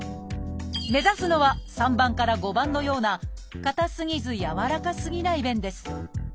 目指すのは３番から５番のような硬すぎずやわらかすぎない便です。